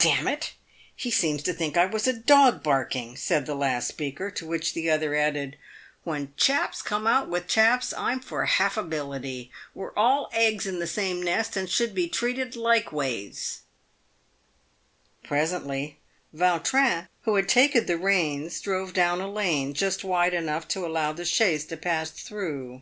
2 a 354 PAVED WITH GOLD. " D — n it, he seems to think I was a dog barking," said the last speaker ; to which the other added, " "When chaps come out with chaps, I'm for haffability. "We're all eggs in the same nest, and should be treated like ways." Presently Vautrin, who had taken the reins, drove down a lane, just wide enough to allow the chaise to pass through.